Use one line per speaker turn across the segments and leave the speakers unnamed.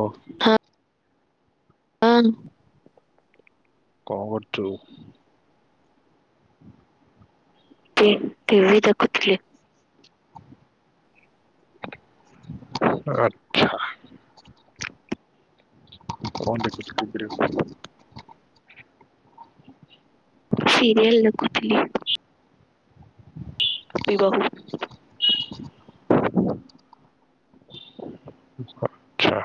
ଓ
[unintelligible]
କଣ କରୁଚୁ?
ଟି-ଟିଭି ଦେଖୁଥିଲି।
ଆଚ୍ଛା। କଣ ଦେଖୁଚୁ ଟିଭିରେ?
ସିରିଏଲ ଦେଖୁଥିଲି। ଗୋପିବୋହୁ।
ଆଚ୍ଛା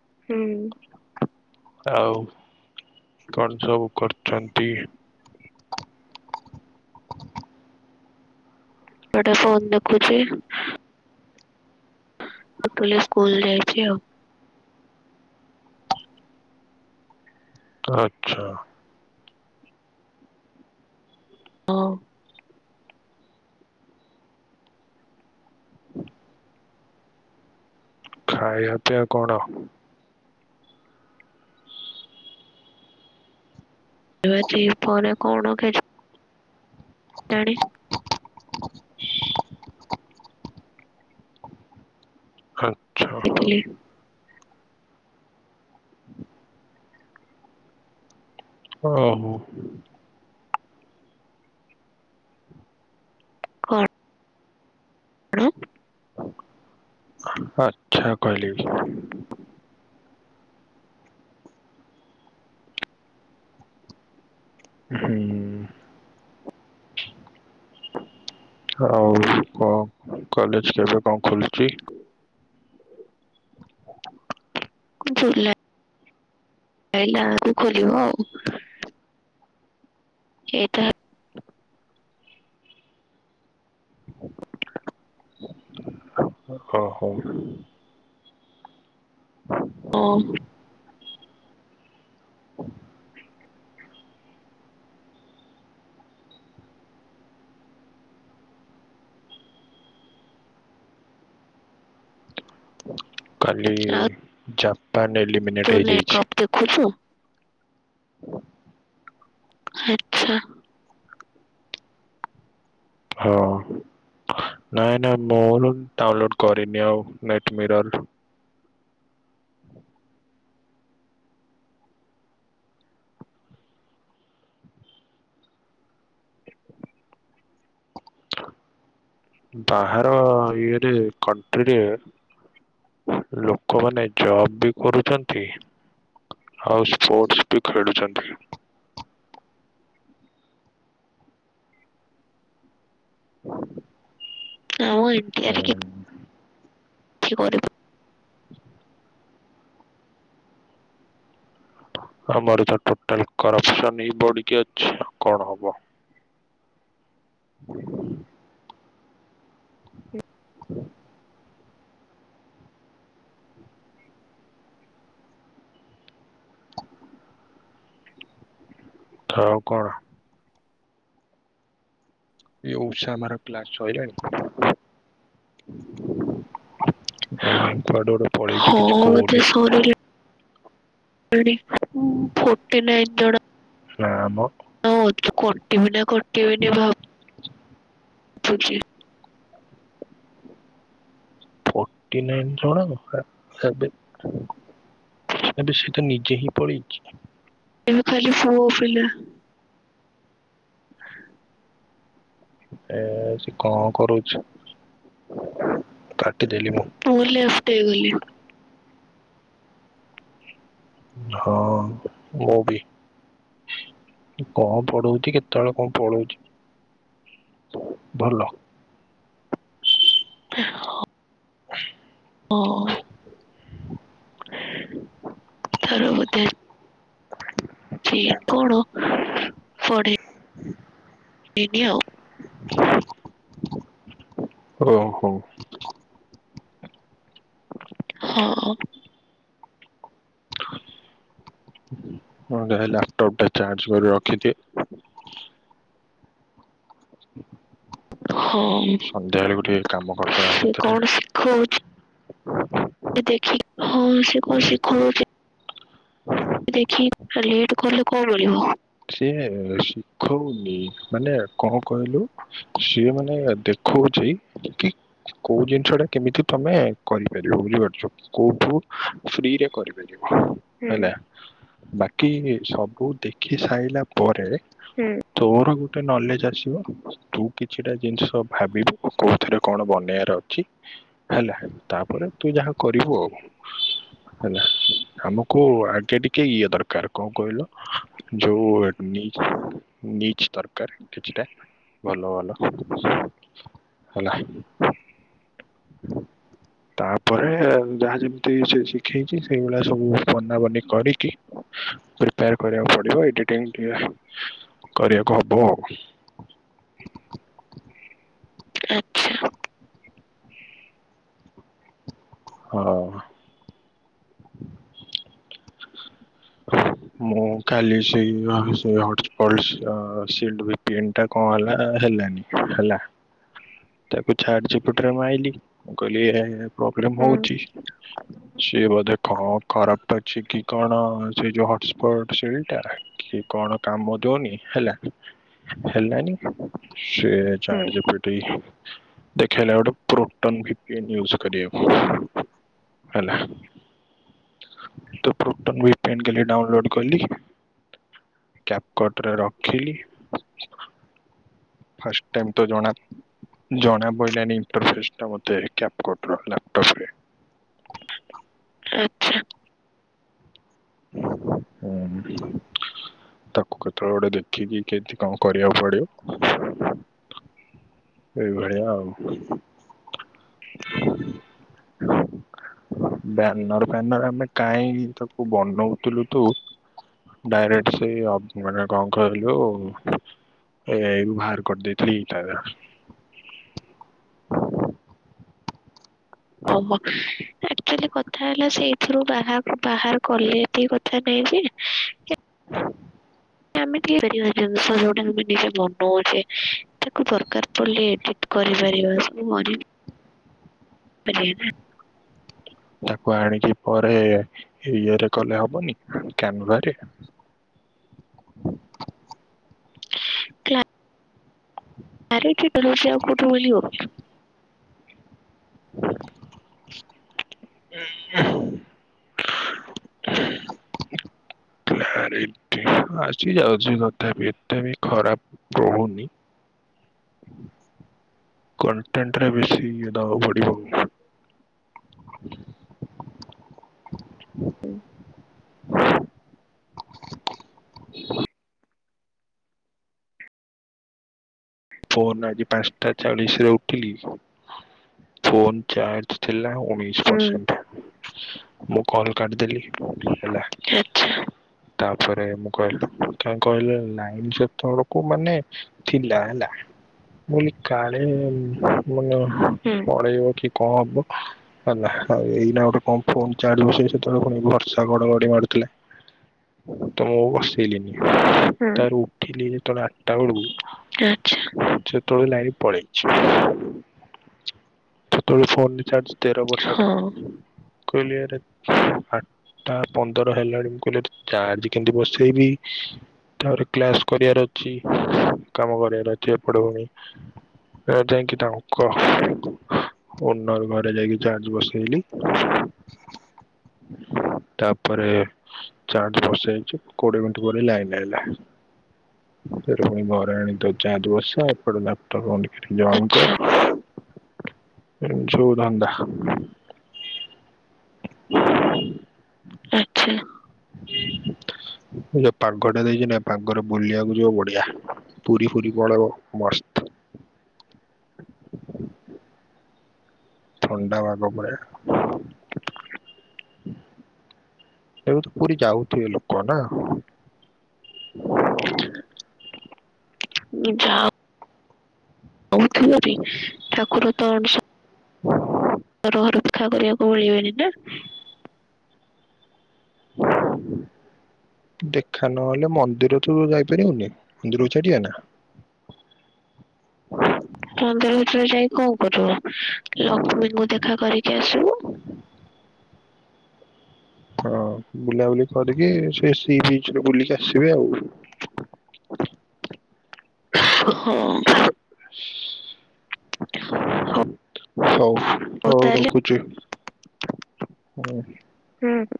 ହୁଁ।
ଆଉ କଣ ସବୁ କରୁଚନ୍ତି।
ଏଇଠି ଫୋନ୍ ଦେଖୁଚି। ପୁଟଲି ସ୍କୁଲ ଯାଇଚି ଆଉ।
ଆଚ୍ଛା
ହୋଉ।
ଖାଇବା ପିଆ କଣ?
ଆଜି ଦିପହରେ କଣ ଖାଇଚ? ତାଡ଼ିି?
ଆଚ୍ଛା
ଦେଖିଲେ
ଓ ହୋ।
କଣ? ଣ?
ଆଚ୍ଛା କହିଲି ହୁଁ। ଆଉ କଣ କଲେଜ କେବେ କଣ ଖୋଲୁଛି?
ଜୁଲା ହେଲାକୁ ଖୋଲିବ ଆଉ। ଏଟା।
ଓହୋ
ଓ।
କାଲି
ଆଉ
ଜାପାନ
ତୁ
ଏଲିମିନେଟ ହେଇଯାଇଛି।
ମେକଅପ୍ ଦେଖୁଛୁ ଆଚ୍ଛା।
ହଁ ନାଇଁ ନାଇଁ ମୁଁ ଡାଉନଲୋଡ କରି ନିି ଆଉ ନେଟମିରର ବାହାର ଇଏରେ କଣ୍ଟ୍ରିରେ ଲୋକମାନେ ଜବ୍ ବି କରୁଚନ୍ତି ଆଉ ସ୍ପୋର୍ଟସ ବି ଖେଳୁଚନ୍ତି। ହୁଁ।
କି କରି
ଆମର ତ ଟୋଟାଲ କରପ୍ସନ ଇ ପଡିକି ଅଛି କଣ ହବ। ଥାଉ କର ଏ ଉଷାମାର ପ୍ଲାସ ସଇଲାଣି? ନାଇଁ ନାଇ କୁଆଡୁ ଗୋଟେ ପଳେଇଛି କିଛି
ହଁ ଏତେ
କହୁନି
ସରିଲା କୁଆଡେ ଉମ୍ ଫୋର୍ଟି ନାଇନ୍। ଯୋଡ଼
ହଁ ଆମ
ହଁ ତୁ କଟିବି ନା କଟିବିନି ଭାବୁଚି।
ଫୋର୍ଟି ନାଇନ୍ ଜଣକ [unintelligible] ଏବେ ସେଟା ନିଜେ ହିଁ ପଳେଇଚି।
ଏମ ଖାଲି ପୁଅ ପିଲା।
ଏ ସେ କଣ କରୁଛ ଥା
ମୁଁ ଲେଫ୍ଟ୍ ହେଇଗଲି।
ହଁ ମୁଁ ବି। କଣ ପଢଉଛି କେତେବେଳେ କଣ ପଳଉଛି? ଭଲ।
ହଁ। ହଁ। ତାର ବଧେ ଛି କଣ ପଢେଇବି ଆଉ।
ଓ ହୋ।
ହଁ।
ମୁଁ ଯାଏ ଲାପଟପ୍ ଟା ଚାର୍ଜ କରି ରଖିଦିଏ।
ହଁ
ସନ୍ଧ୍ୟାବେଳେ ଗୋଟେ କାମ କରିଦବା
ସେ
ସେଥିରେ
କଣ ଶିଖଉଚି? ଦେଖି ହଁ ଶିଖୁ ଶିଖଉଁଛି ଆ ଦେଖି ଆ ଲେଟ୍ କଲେ କଣ ରହିବ?
ସିଏ ଶିଖଉନି ମାନେ କଣ କହିଲୁ ସିଏ ମାନେ ଦେଖୁ କହୁଛି କି କୋଉ ଜିନିଷ ଟା କେମିତି ତମେ କରିପାରିବ ବୁଝିପାରୁଛ କୋଉଠୁ ଫ୍ରିରେ କରିପାରିବ
ହୁଁ
ହେଲା ବାକି ସବୁ ଦେଖି ସାରିଲା ପରେ
ହୁଁ
ତୋର ଗୋଟେ ନଲେଜ ଆସିବ ତୁ କିଛିଟା ଜିନିଷ ଭାବିବୁ କୋଉ ଥିରେ କଣ ବନେଇବାର ଅଛି। ହେଲା ତାପରେ ତୁ ଯାହା କରିବୁ ଆଉ। ହେଲା ଆମକୁ ଆଗେ ଟିକେ ଇଏ ଦରକାର କଣ କହିଲ ଯୋଉ ନି-ନିଜ୍‌ ଦରକାର କିଛିଟା ଭଲ ଭଲ ହେଲା। ତାପରେ ଯାହା ଯେମିତି ସେ ଶିଖେଇଛି ସେଇଭଳିଆ ସବୁ ବନାବନି କରିକି ପିପେଏୟାର କରିବାକୁ ପ ଏ ଏଡି ଟାଇମ୍ ଟିକେ କରିବାକୁ ହବ ଆଉ।
ଆଚ୍ଛା।
ହଁ। ହଁ। ମୁଁ କାଲି ସେଇ [unintelligible] ଭିପିଏନ୍‌ ଟା କଣ ହେଲା ହେଲାନି ହେଲା ତାକୁ ଛାଟଝିପିଟି ରେ ମାଇଲି ମୁଁ କହିଲି ଇଏ ପ୍ରୋବ୍ଲେମ୍
ହୁଁ
ହୋଉଛି ସିଏ ବୋଧେ କଣ ଖରାପ ଅଛି କି କଣ ସେ ଯୋଉ ହସ୍‌ସ୍ପଟ ସେଇଟା କି କଣ କାମ ତୋନି ହେଲା ହେଲାନି ସେ
ହୁଁ
ଚାଜକଟି ଦେଖେଇଲା ଗୋଟେ ପ୍ରୋଟୋନ ଭିପିନ୍‌ ନିଜ୍ୟୁ କରିବାକୁ ହେଲା। ତ ପ୍ରୁଟନ ଭିପିନ୍ କାଲି ଡାଉଲୋଡ କଲି କ୍ୟାପ୍ କଟ ରେ ରଖିଲି। ଫାଷ୍ଟ ଟାଇମ୍ ତ ଜଣା ଜଣା ପାଇଲାନି ଇଣ୍ଟରଫେସ ଟା ମତେ କ୍ୟାପ୍ କଟ ର ଲ୍ୟାପଟପରେ। [unintelligible]
ଆଚ୍ଛା।
ହୁଁ। ତାକୁ କେତେବେଳେ ଗୋଟେ ଦେଖିକି କେମିତି କଣ କରିବାକୁ ପଡିବ। ସେଇ ଭଳିଆ ଆଉ [unintelligible] ବ୍ୟାନର ଫ୍ୟାନର ଆମେ କାଇଁ ତାକୁ ବନ ନୋଉଥିଲୁ ତୁ ଡାଇରେକ୍ଟ ସେ ଅ ମାନେ କଣ କହିଲୁ ଏଇ ବାହାର କରିଦେଇଥିଲେ ହେଇଥାନ୍ତା।
ଅ ମ ଆଚୱାଲୀ କଥା ହେଲା ସେଇଥିରୁ ବାହାର ବାହାର କଲେ ଏତେ କଥା ନେ [unintelligible] ଏମିତି ଜିନିଷ ଯୋଉଟା ନିଜେ ମନଉଛେ ତାକୁ ଦରକାର ପଡ଼ିଲେ ଏଡେଟ୍ କରିପାରିବା ସେ ମରି [unintelligible]
ତାକୁ ଆଣିକି ପରେ ଇଏରେ କଲେ ହବନି? କ୍ୟାମ ଗରେ
କ୍ଲା ଆରେ। [unintelligible]
ହ ଆରେ [unintelligible] ଆଉଛି ଯାଉଛି ଗୋଟେ ଏତେବି ଖରାପ କହୁନି। କଣ୍ଟେରେ ବେଶୀ ଦବାକୁ ପଡିବ। [inaudible] ଫୋନ ଆଜି ପାଞ୍ଚଟା ଚାଳିଶରେ ଉଠିଲି। ଫୋନ ଚାର୍ଜ ଥିଲା ଉଣେଇଶ
ହୁଁ
ପରସେଣ୍ଟ, ମୁଁ କଲ କାଟିଦେଲି। ହେଲା।
ଆଚ୍ଛା
ତାପରେ ମୁଁ କହିଲି କ କହିଲ ଲାଇନ ଯେତେବେଳକୁ ମାନେ ଥିଲା ହେଲା ବୋଲି କାଳେ ମାନେ
ହୁଁ
ପଳେଇବ କି? [unintelligible] ହମ ହେଲା ଏଇନା ଗୋଟେ କଣ ଫୋନ୍ ଚାର୍ଜ ରେ ବସେଇ ସେତେବେଳ କୁ [unintelligible] ବର୍ଷା ଗଡ଼ ଗଡ଼ି ମାରୁଥି ତ ମୁଁ ବସେଇଲିିନି। ତାର
ହୁଁ
ଉଠିଲି ଯେତବେଳେ ଆଠଟା ବେଳିବୁ
ଆଚ୍ଛା
ଶେତବେଳକୁ ଲାଇଟ୍ ପଳେଈଛି, ଶେତବେଳୁ ଫୋନ୍ ରିଚାର୍ଜ
ହଁ।
କଲିଆରେ [unintelligible] ତା ପନ୍ଦର ହେଲାଣି ମୁଁ କହିଲି ଏଠି ଚାର୍ଜ କେମିତି ବସେଇବି? ତାପରେ କ୍ଲାସ କରିବାର ଅଛି କାମ କରିବାର ଅଛି ଏପଟେ ପୁଣି ଏ ଯାଇକି ତାଙ୍କ ଓନର୍ ଘରେ ଯାଇକି ଚାର୍ଜ ବସେଇଲି। [inaudible] ତାପରେ ଚାର୍ଜ ବସେଇଛି କୋଡିଏ ମିନିଟ ପରେ ଲାଇନ ଆଇଲା। ସେଟୁ ପୁଣି ଘରେ ଆଣି ତାକୁ ଚାର୍ଜ ବସା, ଏପଟେ ଲାପଟପ୍ ଅନ୍ କରି ଜଏନ୍
ଆଚ୍ଛା
କର୍। ଏମିତି ସବୁ ଧନ୍ଦା। [inaudible]
ଆଛା।
ହୁଁ [inaudible] ଯୋଉ ପାଗ ଟା ଦେଇଛି ନା ପାଗରେ ବୁଲିବାକୁ ଯିବ ବଢିଆ ପୁରୀ ପୁରୀ ପଳେଇବ ମସ୍ତ। [inaudible] ଥଣ୍ଡା ପାଗ ପରା ଏବେ ତ ପୁରି ଯାଉଥିଵେ ଲୋକ ନା
ଯା [unintelligible] [unintelligible] ଠାକୁର ତରଣ ସବୁ ଦେଖା କରିବାକୁ ପଳିବେନି
ହ [inaudible] ହ [inaudible] ଦେଖା ନହେଲେ ମନ୍ଦିର ତ ଯାଇପାରିବୁନି ମନ୍ଦିରକୁ ଛାଡିବା ନା ହଁ [inaudible]
ମନ୍ଦିର ଭିତରେ ଯାଇ କଣ କରିବ, ଲକ୍ଷ୍ମୀଙ୍କୁ ଦେଖା କରି [unintelligible] ଜୟ ଶ
ହଁ ବୁଲାବୁଲି କରିକି ସେଇ ସି ବିଚ୍ ରେ ବୁଲିକି ଆସିବେ ଆଉ
ହଁ
ହ [inaudible] ହଉ ହଉ ରଖୁଛି। ହୁଁ।
ହଁ ହଁ।